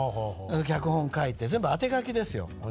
脚本を書いて全部当て書きですよ。